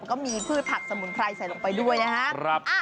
มันก็มีพืชผัดสมุนไพรใส่ลงไปด้วยนะครับ